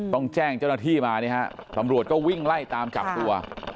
ต้องแจ้งเจ้าหน้าที่มานี่ฮะตำรวจก็วิ่งไล่ตามจับตัว